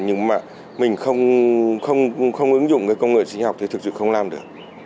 nhưng mà mình không ứng dụng công nghệ sinh học thì thực sự không làm được